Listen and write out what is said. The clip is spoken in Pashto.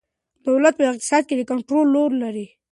دولت په اقتصاد کې د کنترول رول لري.